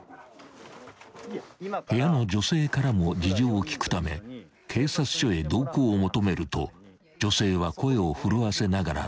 ［部屋の女性からも事情を聴くため警察署へ同行を求めると女性は声を震わせながら捜査員に語り掛けた］